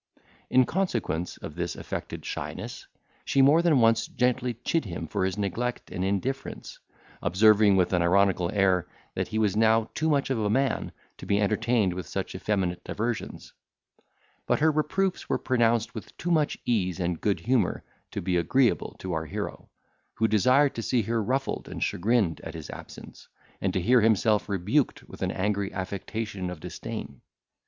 In consequence of this affected shyness, she more than once gently chid him for his neglect and indifference, observing, with an ironical air, that he was now too much of a man to be entertained with such effeminate diversions; but her reproofs were pronounced with too much ease and good humour to be agreeable to our hero, who desired to see her ruffled and chagrined at his absence, and to hear himself rebuked with an angry affectation of disdain.